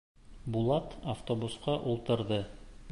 Булат автобусҡа ултырҙы.